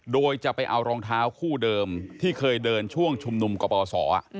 โดยจะไปเอารองเท้าคู่เดิมที่เคยเดินช่วงชุมนุมกปศ